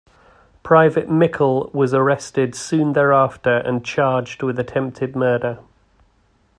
Private Mikel was arrested soon thereafter and charged with attempted murder.